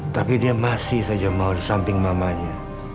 tapi dia masih saja mau di samping mamanya